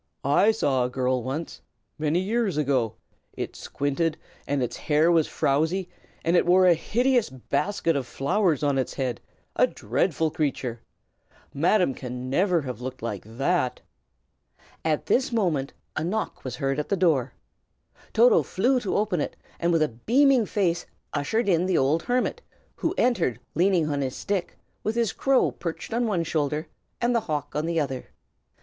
I saw a girl once many years ago; it squinted, and its hair was frowzy, and it wore a hideous basket of flowers on its head, a dreadful creature! Madam never can have looked like that!" At this moment a knock was heard at the door. Toto flew to open it, and with a beaming face ushered in the old hermit, who entered leaning on his stick, with his crow perched on one shoulder and the hawk on the other.